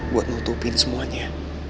buat nutupin semuanya